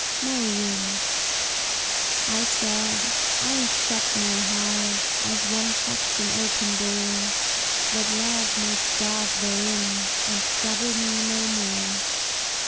May Wind I said, "I have shut my heart As one shuts an open door, That Love may starve therein And trouble me no more."